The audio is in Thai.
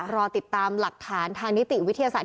รอติดตามหลักฐานทางนิติวิทยาศาสต